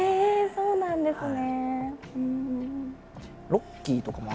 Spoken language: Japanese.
そうなんですね。